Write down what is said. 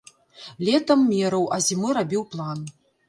Летам мераў, а зімой рабіў план.